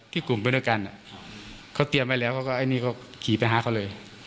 ที่กลุ่มบริเวณกันเขาเตรียมไว้แล้วเขาก็ขี่ไปหาเขาเลย